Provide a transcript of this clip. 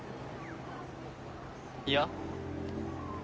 いや。